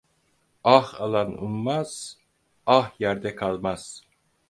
Ah alan unmaz, ah yerde kalmaz.